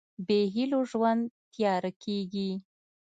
بېهيلو ژوند تیاره کېږي.